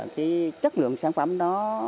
cái chất lượng sản phẩm đó